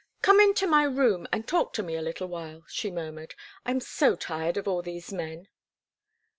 "Come into my room and talk to me a little while," she murmured. "I am so tired of all these men."